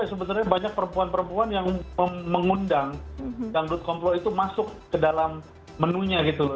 sebenarnya banyak perempuan perempuan yang mengundang dangdut komplo itu masuk ke dalam menunya gitu loh